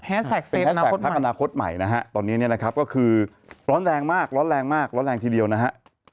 จากพักอนาคตใหม่นะฮะตอนนี้เนี่ยนะครับก็คือร้อนแรงมากร้อนแรงมากร้อนแรงทีเดียวนะฮะ